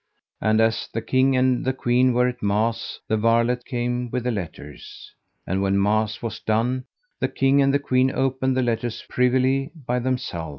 And as the king and the queen were at mass the varlet came with the letters. And when mass was done the king and the queen opened the letters privily by themself.